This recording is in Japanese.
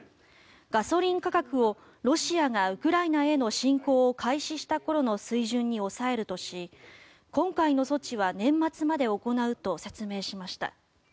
ガソリン価格をロシアがウクライナへの侵攻を開始した頃の水準に抑えるとし今回の措置は年末まで行うと説明しました。